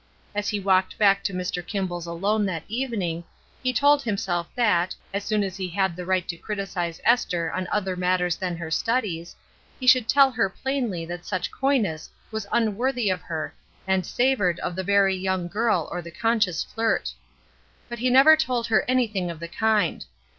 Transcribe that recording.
As he walked back to Mr. Kimball's alone that evening, he told himself that, as soon as he had the right to criticise Esther on other matters than her studies, he should tell her plainly that such coyness was unworthy of her and savored of the very young girl or the conscious flirt. But he never told her anything of the kind.